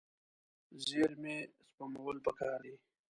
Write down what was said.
زیرمې سپمول پکار دي.